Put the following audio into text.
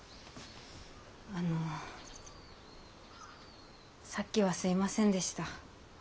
あのさっきはすいませんでした。